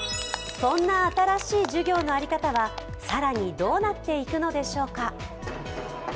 そんな新しい授業の在り方は更にどうなっていくのでしょうか。